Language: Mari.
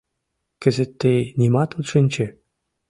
— Кызыт тый нимат от шинче.